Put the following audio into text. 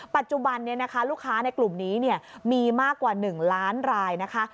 ปัจจุบันลูกค้าในกลุ่มนี้มีมากกว่า๑ล้านรายนะคะ